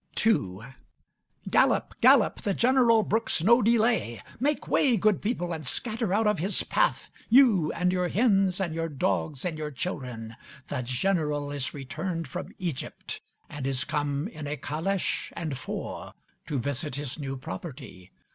II Gallop! Gallop! The General brooks no delay. Make way, good people, and scatter out of his path, you, and your hens, and your dogs, and your children. The General is returned from Egypt, and is come in a 'caleche' and four to visit his new property.